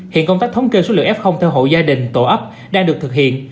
hiện công tác thống kê số lượng f theo hộ gia đình tổ ấp đang được thực hiện